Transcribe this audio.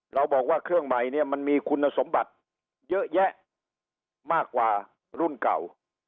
เราบอกว่าเครื่องใหม่เนี่ยมันมีคุณสมบัติเยอะแยะมากกว่ารุ่นเก่า